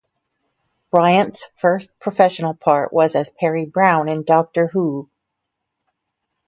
Bryant's first professional part was as Peri Brown in "Doctor Who".